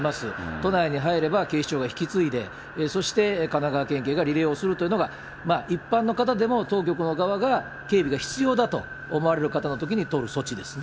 都内に入れば警視庁が引き継いで、そして神奈川県警がリレーをするというのが、一般の方でも当局の側が警備が必要だと思われる方のときに取る措